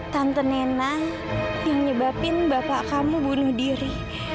tante nena yang nyebabin bapak kamu bunuh diri